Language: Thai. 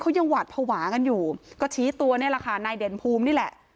เขายังหวาดภาวะกันอยู่ก็ชี้ตัวนี่แหละค่ะนายเด่นภูมินี่แหละ